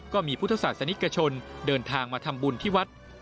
ก็มีพุทธศาสนิกชนเดินทางมาทำบุญที่วัด